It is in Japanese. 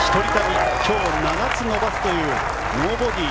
今日７つ伸ばすというノーボギー。